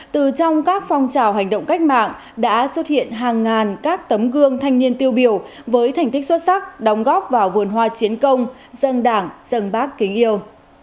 từ trong các phong trào hành động cách mạng đã xuất hiện hàng ngàn các tấm gương thanh niên tiêu biểu với thành tích xuất sắc đóng góp vào vườn hoa chiến công dân đảng dân bác kính yêu